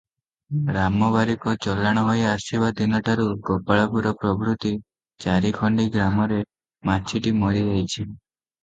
ରାମ ବାରିକ ଚଲାଣ ହୋଇ ଆସିବା ଦିନଠାରୁ ଗୋପାଳପୁର ପ୍ରଭୃତି ଚାରିଖଣ୍ଡି ଗ୍ରାମରେ ମାଛିଟି ମରି ଯାଇଛି ।